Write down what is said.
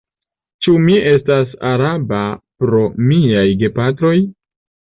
Ĉu mi estas araba pro miaj gepatroj?